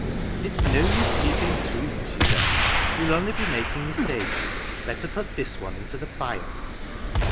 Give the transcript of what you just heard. "'It's no use keeping two,' she said. 'You'll only be making mis takes. Better put this one into the fire.'